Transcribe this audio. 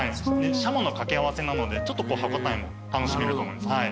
シャモの掛け合わせなので歯応えも楽しめると思います。